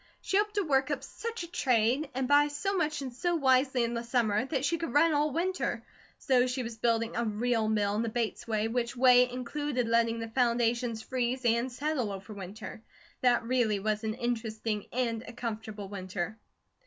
She hoped to work up such a trade and buy so much and so wisely in the summer that she could run all winter, so she was building a real mill in the Bates way, which way included letting the foundations freeze and settle over winter. That really was an interesting and a comfortable winter.